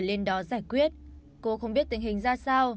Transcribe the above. lên đó giải quyết cô không biết tình hình ra sao